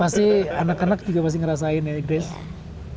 pasti anak anak juga pasti ngerasain ya grace